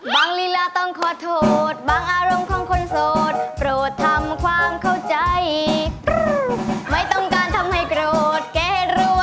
เมื่อกี้พอคุณนั้นร้องกลูอันนี้คุณเหมือนให้อาหารเข่า